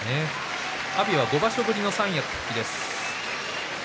阿炎は５場所ぶりの三役復帰です。